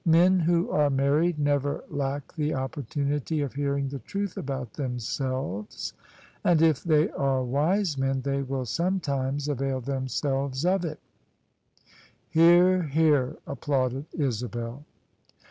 Men who are married never lack the op portunity of hearing the truth about themselves: and if they are wise men they will sometimes avail themselves of it" " Hear, hear," applauded Isabel.